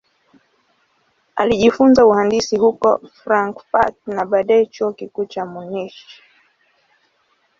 Alijifunza uhandisi huko Frankfurt na baadaye Chuo Kikuu cha Munich.